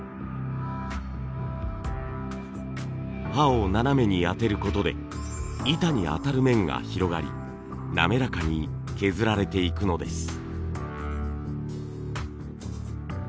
刃を斜めに当てる事で板に当たる面が広がり滑らかに削られていくのです。